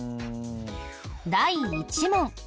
第１問。